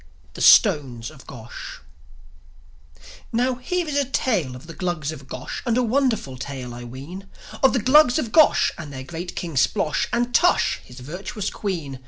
THE STONES OF GOSH Now, here is a tale of the Glugs of Gosh, And a wonderful tale I ween, Of the Glugs of Gosh and their great King Splosh, And Tush, his virtuous Queen.